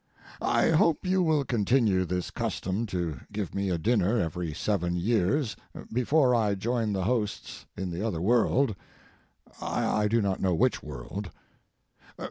I hope you will continue this custom to give me a dinner every seven years before I join the hosts in the other world—I do not know which world.